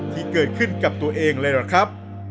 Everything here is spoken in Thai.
ที่เกิดขึ้นกับตัวเองเลยล่ะครับ